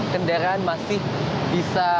kendaraan masih bisa